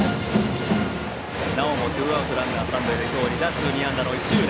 なおもツーアウトランナー、三塁で今日２打数２安打の石浦。